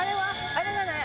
あれがない。